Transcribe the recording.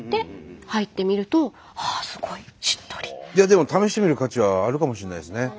でも試してみる価値はあるかもしれないですね。